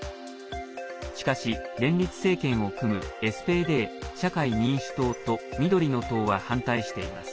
しかし、連立政権を組むＳＰＤ＝社会民主党と緑の党は反対しています。